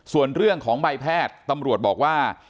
ส่วนเรื่องของใบแพทย์ตำรวจบอกว่า